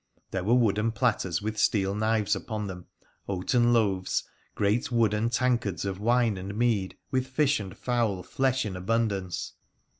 There were wooden platters with steel knives upon them, oaten loaves, great wooden tankards of wine and mead, with fish and fowl flesh in abundance.